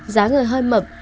giá người hơi mập